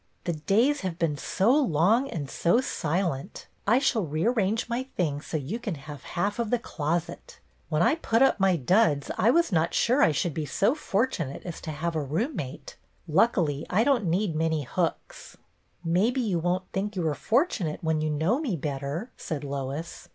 " The days have been so long and so si lent. I shall rearrange my things so you can have half of the closet. When I put up my duds I was not sure I should be so for tunate as to have a roommate. Luckily I don't need many hooks." " Maybe you won't think you are fortunate when you know me better," said Lois.